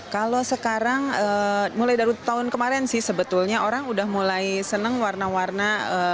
kalau sekarang mulai dari tahun kemarin sih sebetulnya orang udah mulai senang warna warna